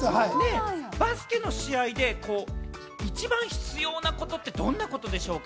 バスケの試合で一番必要なことって、どんなことでしょうか？